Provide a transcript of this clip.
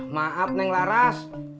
maaf neng laras